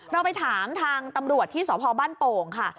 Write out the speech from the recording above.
เราไปถามทางตำรวจที่สพบ้านโป่งค่ะ